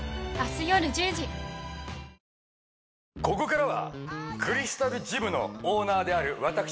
ここからはクリスタルジムのオーナーである私